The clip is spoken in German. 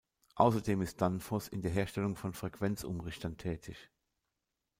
Außerdem ist Danfoss in der Herstellung von Frequenzumrichtern tätig.